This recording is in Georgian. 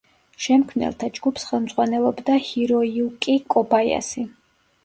შემქმნელთა ჯგუფს ხელმძღვანელობდა ჰიროიუკი კობაიასი.